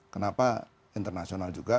kenapa internasional juga